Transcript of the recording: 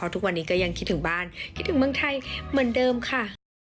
ทุกวันนี้ก็ยังคิดถึงบ้านคิดถึงเมืองไทยเหมือนเดิมค่ะ